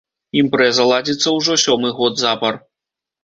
Імпрэза ладзіцца ўжо сёмы год запар.